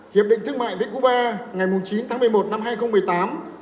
hiệp định thương mại với cuba ngày chín tháng một mươi một năm hai nghìn một mươi tám